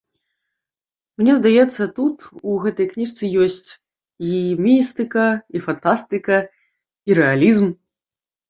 Мне здаецца, тут, у гэтай кніжцы, ёсць і містыка, і фантастыка, і рэалізм.